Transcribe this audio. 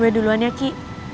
gue duluan ya ki